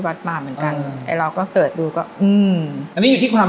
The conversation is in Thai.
วัดมาเหมือนกันไอ้เราก็เสิร์ชดูก็อืมอันนี้อยู่ที่ความ